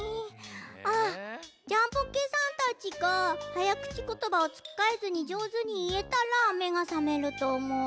あっジャンポケさんたちがはやくちことばをつっかえずにじょうずにいえたらめがさめるとおもう。